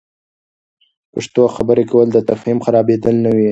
پښتو خبرې کول، د تفهم خرابیدل نه وي.